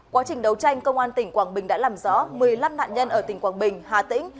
quá trình đấu tranh công an tỉnh quảng bình đã làm rõ một mươi năm nạn nhân ở tỉnh quảng bình hà tĩnh